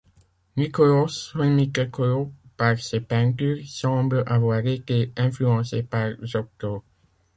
Niccolò Semitecolo, par ses peintures, semble avoir été influencé par Giotto.